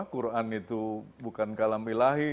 quran itu bukan kalam ilahi